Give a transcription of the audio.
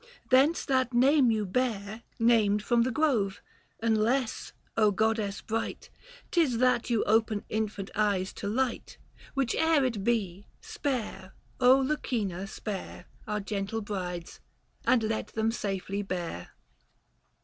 Thence that name you bear Book II. THE FASTI. 49 Named from the grove ; unless, goddess bright, 'Tis that you open infant eyes to light ; Whiche'er it be — spare, Lucina, spare 470 Our gentle brides, and let them safely bear